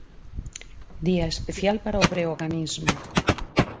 Día especial para o breoganismo.